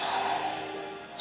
saking sempurnanya dia